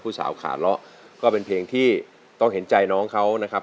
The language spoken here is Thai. สาวขาเลาะก็เป็นเพลงที่ต้องเห็นใจน้องเขานะครับ